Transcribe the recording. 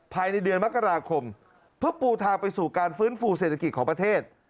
ภายในเดือนมกราคมเพื่อปูทางไปสู่การฟื้นฟูเศรษฐกิจของประเทศ